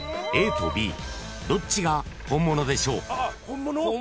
［ＡとＢどっちが本物でしょう？］